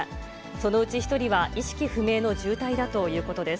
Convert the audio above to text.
そのうち１人は意識不明の重体だということです。